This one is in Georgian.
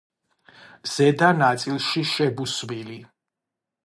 ზედა ნაწილში შებუსვილი.